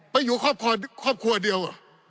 ไปอยู่ครอบครัวเดียว